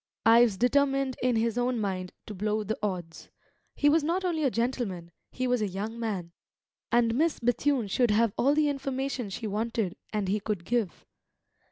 Ives determined in his own mind to blow the odds. He was not only a gentleman; he was a young man; and Miss Bethune should have all the information she wanted and he could give.